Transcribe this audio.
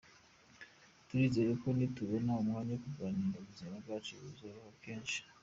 Turizera ko nitubona umwanya wo kuganiriramo ubuzima bwacu bizarokora benshi.